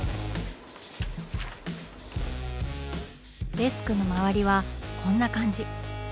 デスクの周りはこんな感じ。